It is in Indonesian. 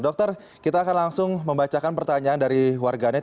dokter kita akan langsung membacakan pertanyaan dari warganet